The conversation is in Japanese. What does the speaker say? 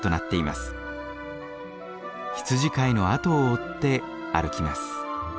羊飼いのあとを追って歩きます。